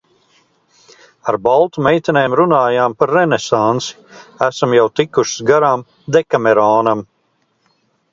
Ar Baltu meitenēm runājam par renesansi, esam jau tikušas garām "Dekameronam".